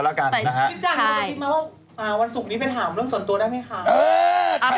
ได้ค่ะแต่ต้องถามเรื่องลูกบอลด้วยนะคะ